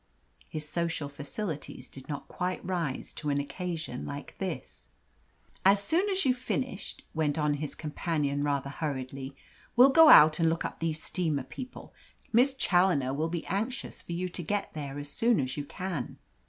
His social facilities did not quite rise to an occasion like this. "As soon as you've finished," went on his companion rather hurriedly, "we'll go out and look up these steamer people. Miss Challoner will be anxious for you to get there as soon as you can."